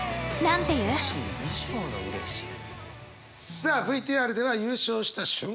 さあＶＴＲでは優勝した瞬間